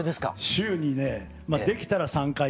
週にねまあできたら３回。